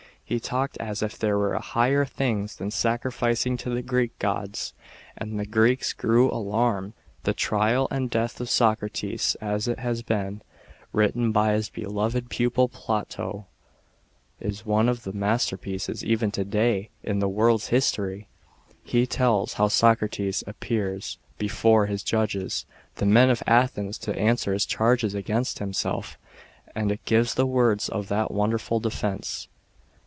He talked as if there were higher things than sacrificing to the Greek gods, and the Greeks grew alarmed. The trial and death of Socrates, as it, has been written by his beloved pupil Plato, is one GI the masterpieces even to day in the world's history. He tells, how Socrates appeared before his judges, the men of Athens, to answer the charges against him self, and it gives the words of that wonderful defence.